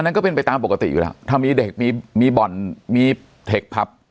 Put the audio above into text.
นั้นก็เป็นไปตามปกติอยู่แล้วถ้ามีเด็กมีมีบ่อนมีเทคผับ